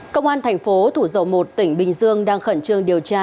công an thành phố thủ dầu một tỉnh bình dương đang khẩn trương điều tra